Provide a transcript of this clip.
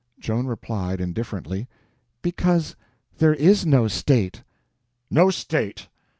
Joan replied, indifferently: "Because there is no state." "No state!"